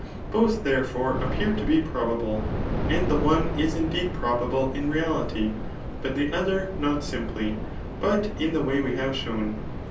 Boch^ therefore, appear to be probable ; and the one is indeed probable [in reality ;] but the other, not simply, bat in the way we have shown.